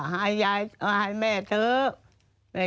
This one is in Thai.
หายแย่หายแม่เถอะ